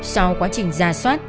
sau quá trình giả soát